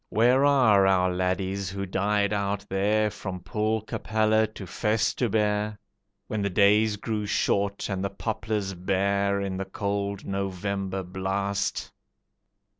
Where are our laddies who died out there, From Poelcapelle to Festubert, When the days grew short and the poplars bare In the cold November blast?